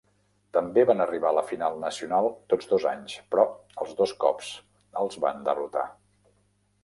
També van arribar a la final nacional tots dos anys, però els dos cops els van derrotar.